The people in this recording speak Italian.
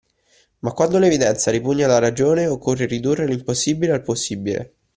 Ma quando l'evidenza ripugna alla ragione, occorre ridurre l'impossibile al possibile.